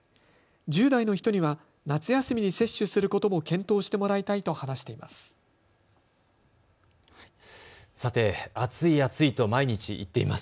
１０代の人には夏休みに接種することも検討してもらいたいと話しています。